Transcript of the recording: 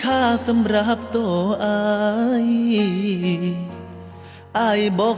ไอ้นี้อะไรอีกลูก